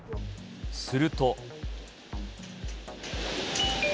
すると。